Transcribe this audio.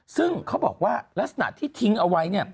ซึ่งเขาบอกว่าลักษณะที่ทิ้งเอาไว้